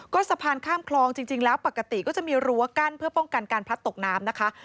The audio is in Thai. ก็สะพานข้ามคลองจริงแล้วปกติก็จะมีรั้วกั้นเพื่อป้องกันการพลัดตกน้ำนะคะ